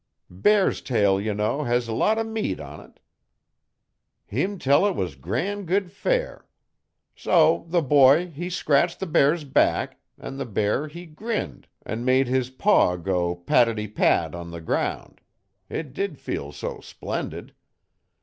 'Bear's tail, ye know, hes a lot o' meat on it heam tell it was gran' good fare. So the boy he scratched the bear's back an' the bear he grinned an' made his paw go patitty pat on the ground it did feel so splendid.